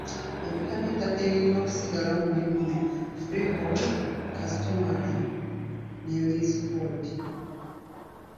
Ebika by'ettaka ebirina okusigalawo mulimu; freehold, customary ne leasehold.